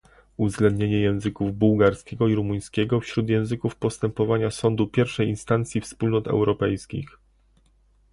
Uwzględnienie języków bułgarskiego i rumuńskiego wśród języków postępowania Sądu Pierwszej Instancji Wspólnot Europejskich